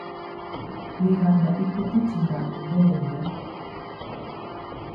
Wiranda i kutu timba mí ndêndêngüê.